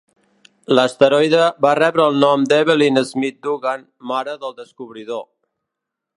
L'asteroide va rebre el nom d'Evelyn Smith Dugan, mare del descobridor.